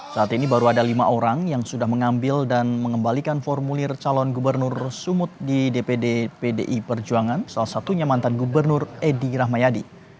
saat ini baru ada lima orang yang sudah mengambil dan mengembalikan formulir calon gubernur sumut di dpd pdi perjuangan salah satunya mantan gubernur edi rahmayadi